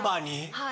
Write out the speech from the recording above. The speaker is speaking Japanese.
はい。